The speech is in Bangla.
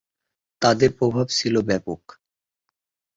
তাদের প্রভাব ছিল ব্যাপক।